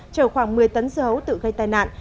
chở khoảng một mươi tấn dưa hấu tự gây tai nạn